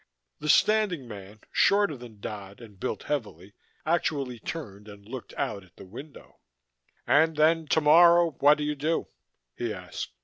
The standing man, shorter than Dodd and built heavily, actually turned and looked out at the window. "And then tomorrow what do you do?" he asked.